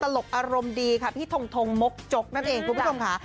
ตลกอารมณ์ดีค่ะพี่ทงมกจกนั่นเองคุณพี่ทงค่ะ